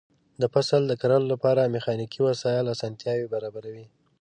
د فصل د کرلو لپاره میخانیکي وسایل اسانتیاوې برابروي.